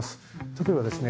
例えばですね